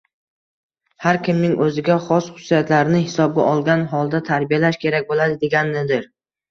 har kimning o‘ziga xos xususiyatlarini hisobga olgan holda tarbiyalash kerak bo‘ladi, deganidir.